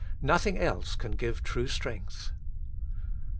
Nothing else can give true strength.